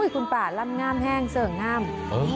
อ๋อคุณป่านง่ำแห้งเซอะง่ำ